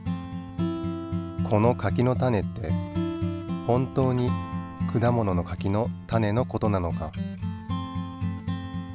この柿の種って本当に果物の柿の種の事なのか？